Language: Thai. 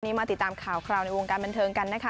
มาติดตามข่าวคราวในวงการบันเทิงกันนะคะ